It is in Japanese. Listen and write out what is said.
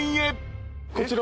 こちら。